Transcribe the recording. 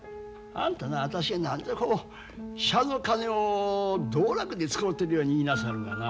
あんたな私が何じゃこう社の金を道楽で使うてるように言いなさるがな